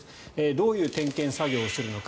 どういう点検作業をするのか。